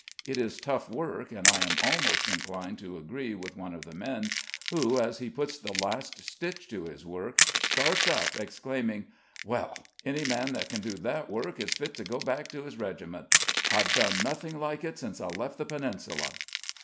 It is tough work, and I am almost inclined to agree with one of the men, who, as he puts the last stitch to his work, starts up, exclaiming: "Well, any man that can do that work, is fit to go back to his regiment; I've done nothing like it since I left the Peninsula."